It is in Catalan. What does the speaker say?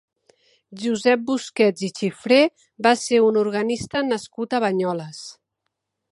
Josep Busquets i Xifré va ser un organista nascut a Banyoles.